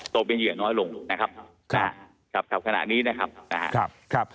ตกเป็นเยื่อน้อยลงนะครับขณะนี้นะครับ